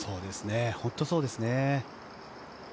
本当にそうですね。